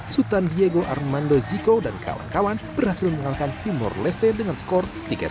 sultan diego armando ziko dan kawan kawan berhasil mengalahkan timor leste dengan skor tiga satu